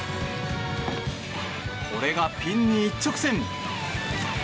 これがピンに一直線。